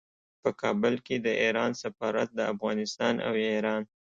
په کابل کې د ایران سفارت د افغانستان او ایران